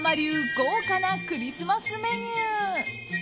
豪華なクリスマスメニュー。